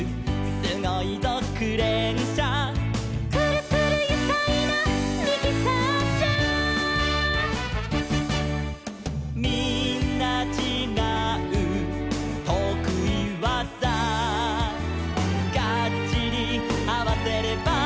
「すごいぞクレーンしゃ」「くるくるゆかいなミキサーしゃ」「みんなちがうとくいわざ」「ガッチリあわせれば」